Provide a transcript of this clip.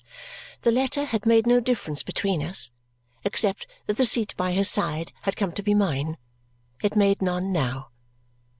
The letter had made no difference between us except that the seat by his side had come to be mine; it made none now.